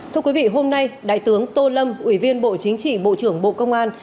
thưa quý vị hôm nay đại tướng tô lâm ủy viên bộ chính trị bộ trưởng bộ công an